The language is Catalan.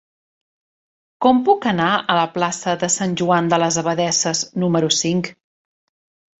Com puc anar a la plaça de Sant Joan de les Abadesses número cinc?